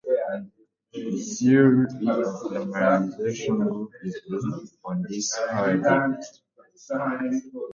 The theory of renormalization group is based on this paradigm.